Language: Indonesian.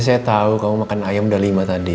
ya saya tau kamu makan ayam udah lima tadi